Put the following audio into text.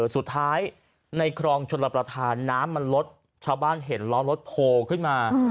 สุดท้ายในคลองชลประธานน้ำมันลดชาวบ้านเห็นล้อรถโผล่ขึ้นมา